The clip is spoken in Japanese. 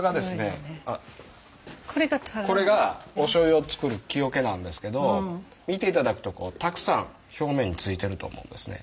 これがおしょうゆを造る木おけなんですけど見て頂くとたくさん表面についてると思うんですね。